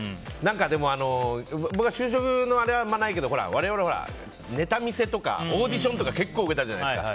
僕は就職のあれはあまりないけど我々、ネタ見せとかオーディションとか結構受けたじゃないですか。